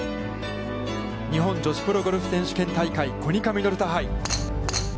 日本女子プロゴルフ選手権大会コニカミノルタ杯。